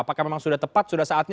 apakah memang sudah tepat